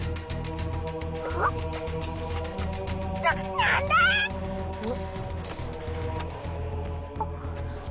ななんだ⁉ん？